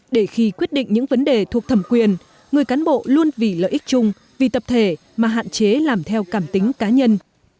để khi quyết định những vấn đề thuộc thẩm quyền người cán bộ luôn vì lợi ích chung vì tập thể mà hạn chế làm theo cảm tính cá nhân